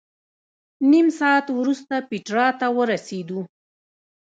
نیم ساعت وروسته پېټرا ته ورسېدو.